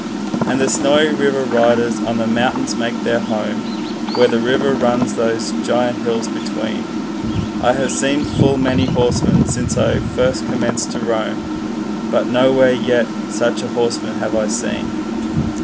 And the Snowy River riders on the mountains make their home, Where the river runs those giant hills between; I have seen full many horsemen since I first commenced to roam, But nowhere yet such horsemen have I seen.'